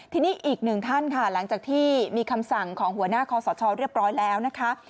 ทีนี้อีกหนึ่งท่านค่ะหลังจากที่มีคำสั่งของหัวหน้าคอสชเรียบร้อยแล้วนะคะ